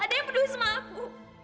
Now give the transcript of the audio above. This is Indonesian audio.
ada yang peduli sama aku